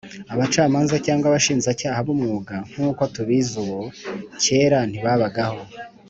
abacamanza cyangwa abashinjacyaha b’umwuga nk’uko tubizi ubu , kera ntibabagaho